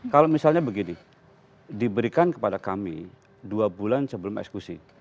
kalau misalnya begini diberikan kepada kami dua bulan sebelum ekskusi